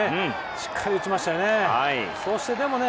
しっかり打ちましたね。